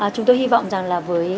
chúng tôi hy vọng rằng là với